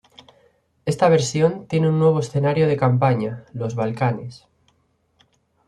Esta versión tiene un nuevo escenario de campaña, los Balcanes.